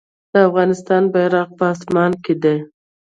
د افغانستان بیرغ په اسمان کې دی